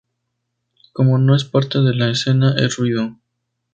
Como no es parte de la escena es ruido.